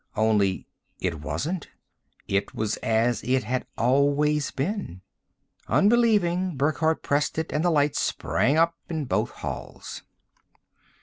Only it wasn't. It was as it had always been. Unbelieving, Burckhardt pressed it and the lights sprang up in both halls.